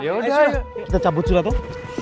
yaudah kita cabut surat tuh